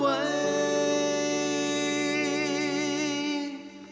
สวัสดีครับ